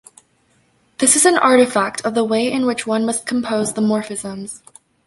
This is an artifact of the way in which one must compose the morphisms.